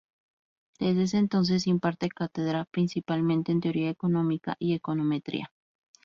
Desde ese entonces imparte cátedra principalmente en Teoría Económica y Econometría.